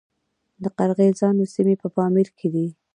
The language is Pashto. د قرغیزانو سیمې په پامیر کې دي